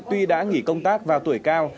tuy đã nghỉ công tác vào tuổi cao